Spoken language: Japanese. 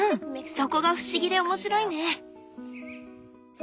そこが不思議で面白いね！